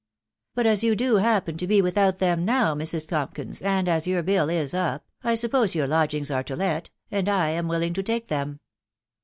" But as you do happen to be without them now, Mrs. Tompkins, and as your bill is up, I suppose your lodgings are to let, and I am willing to take them."